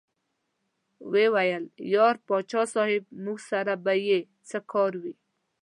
ویې ویل: یار پاچا صاحب موږ سره به یې څه کار وي.